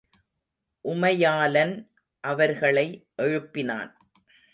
உமையாலன் அவர்களை எழுப்பினான்.